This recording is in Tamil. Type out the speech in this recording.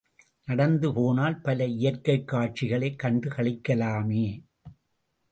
நடந்து போனால் பல இயற்கைக் காட்சிகளைக் கண்டு களிக்கலாமே!